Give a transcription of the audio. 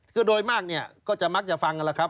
คือโดยมากเนี่ยก็จะมักจะฟังกันแล้วครับ